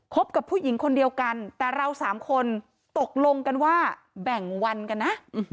กับผู้หญิงคนเดียวกันแต่เราสามคนตกลงกันว่าแบ่งวันกันนะ